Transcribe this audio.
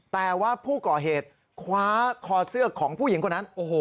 แต่ว่าผู้ก่อเหตุคว้าคอเสื้อของผู้หญิงคนนั้น